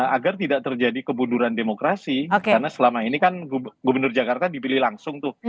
agar tidak terjadi kebuduran demokrasi karena selama ini kan gubernur jakarta dipilih langsung tuh